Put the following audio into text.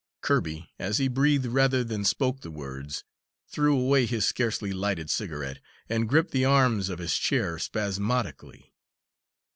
Kirby, as he breathed rather than spoke the words, threw away his scarcely lighted cigarette, and gripped the arms of his chair spasmodically.